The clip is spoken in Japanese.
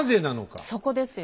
そこですよね。